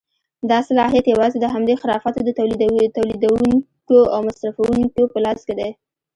دا صلاحیت یوازې د همدې خرافاتو د تولیدوونکیو او مصرفوونکیو په لاس کې دی.